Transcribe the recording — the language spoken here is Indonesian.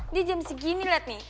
ini jam segini lihat nih